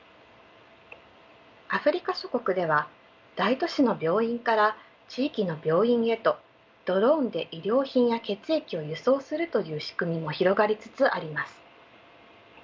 アフリカ諸国では大都市の病院から地域の病院へとドローンで医療品や血液を輸送するという仕組みも広がりつつあります。